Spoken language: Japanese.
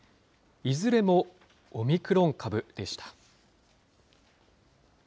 いずれもオミクロン株でした。